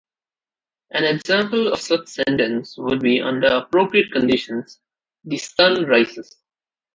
An example of such a sentence would be Under appropriate conditions, the sun rises.